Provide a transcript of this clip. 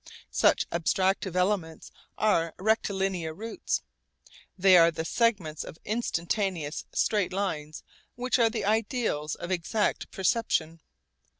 Such abstractive elements are rectilinear routes. They are the segments of instantaneous straight lines which are the ideals of exact perception.